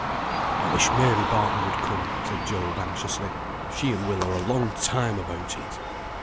"I wish Mary Barton would come," said Job, anxiously. "She and Will are a long time about it."